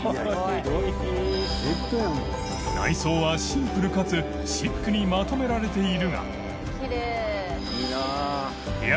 稙眩仿シンプルかつシックにまとめられているが森川）